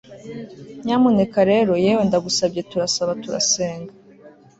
Nyamuneka rero yewe ndagusabye turasaba turasenga